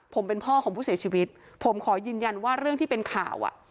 ผมเป็นพ่อของผู้เสียชีวิตผมขอยืนยันว่าเรื่องที่เป็นข่าวอ่ะ